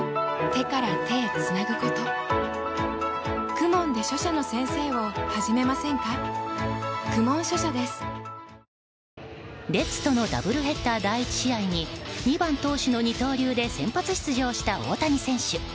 球団からは右ひじのじん帯損傷によりレッズとのダブルヘッダー第１試合に２番投手の二刀流で先発出場した大谷選手。